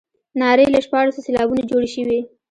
نارې له شپاړسو سېلابونو جوړې شوې.